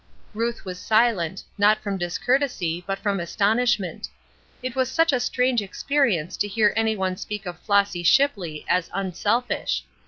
Ruth was silent; not from discourtesy, but from astonishment. It was such a strange experience to hear any one speak of Flossy Shipley as "unselfish."